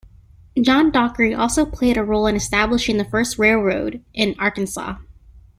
John Dockery also played a role in establishing the first railroad in Arkansas.